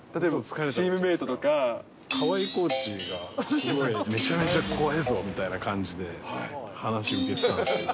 チームメートとか、川相コーチがすごい、めちゃくちゃ怖いぞみたいな感じで、話を聞いてたんですけど。